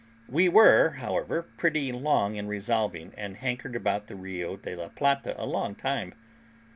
We were, however, pretty long in resolving, and hankered about the Rio de la Plata a long time.